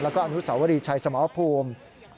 แล้วก็อนุสาวรีชัยสมรภูมิ